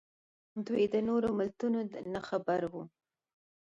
دوی د نورو ملتونو نه خبر وو